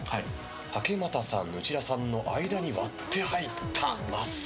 竹俣さん、内田さんの間に割って入った。